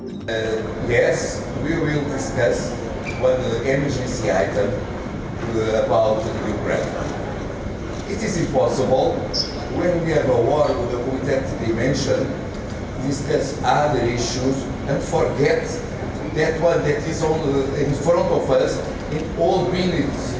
ini tidak mungkin ketika kita berjuang dengan dimensi itu membahas masalah lain dan lupakan yang ada di depan kita dalam semua kehidupan